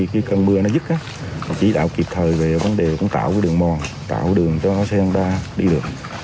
khi cơn mưa nó dứt chỉ đạo kịp thời về vấn đề cũng tạo đường mòn tạo đường cho xe hông đa đi được